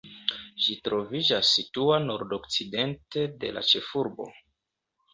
Ĝi troviĝas situa nordokcidente de la ĉefurbo.